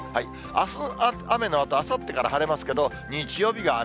あす雨のあと、あさってから晴れますけど、日曜日が雨。